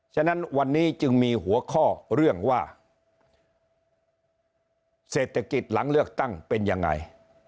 ฉะนั้นวันนี้จึงมีหัวข้อเรื่องว่าเศรษฐกิจหลังเลือกตั้งเป็นยังไง